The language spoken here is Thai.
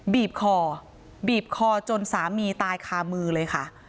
บีบคอบีบคอจนสามีตายคามือเลยค่ะ